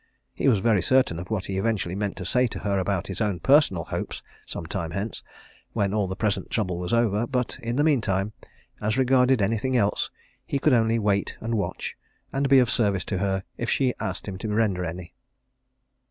He was very certain of what he eventually meant to say to her about his own personal hopes, some time hence, when all the present trouble was over, but in the meantime, as regarded anything else, he could only wait and watch, and be of service to her if she asked him to render any.